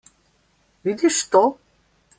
Vidiš to?